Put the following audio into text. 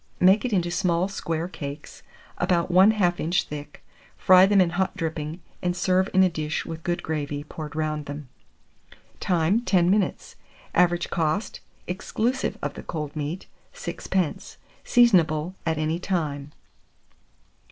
Make it into small square cakes, about 1/2 inch thick, fry them in hot dripping, and serve in a dish with good gravy poured round them. Time. 10 minutes. Average cost, exclusive of the cold meat, 6d. Seasonable at any time.